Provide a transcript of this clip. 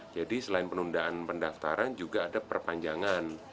jadi selain penundaan pendaftaran juga ada perpanjangan